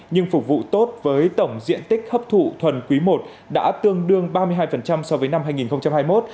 nhưng phục vụ tốt với tổng diện tích hấp thụ thuần quý i đã tương đương ba mươi hai so với năm hai nghìn hai mươi một